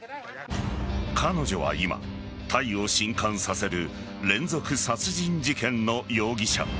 彼女は今、タイを震撼させる連続殺人事件の容疑者。